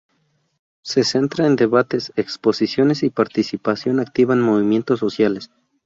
Se centra en debates, exposiciones y participación activa en movimientos sociales.